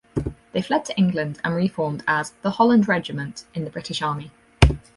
They fled to England and reformed as 'The Holland Regiment' in the British Army.